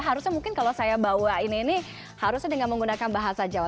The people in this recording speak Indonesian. harusnya mungkin kalau saya bawa ini ini harusnya dengan menggunakan bahasa jawa